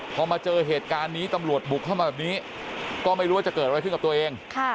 พอมาเจอเหตุการณ์นี้ตำรวจบุกเข้ามาแบบนี้ก็ไม่รู้ว่าจะเกิดอะไรขึ้นกับตัวเอง